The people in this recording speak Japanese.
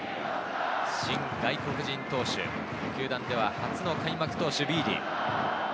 新外国人投手、球団では初の開幕投手ビーディ。